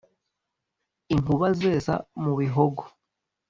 inkuba zesa mu bihogo,